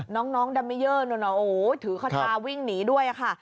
น้องดัมมิเยอร์ถือคาทาวิ่งหนีด้วยค่ะ